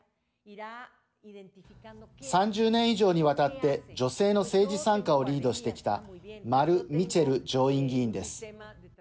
３０年以上にわたって女性の政治参加をリードしてきたマル・ミチェル上院議員です。